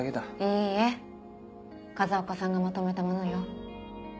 いいえ風岡さんがまとめたものよ。